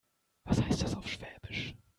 Was heißt das auf Schwäbisch?